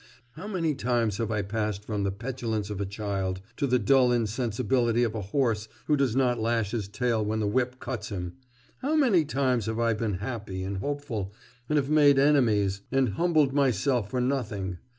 How many times have I passed from the petulance of a child to the dull insensibility of a horse who does not lash his tail when the whip cuts him!... How many times I have been happy and hopeful, and have made enemies and humbled myself for nothing!